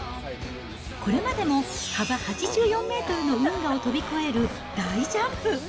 これまでも幅８４メートルの運河を飛び越える大ジャンプ。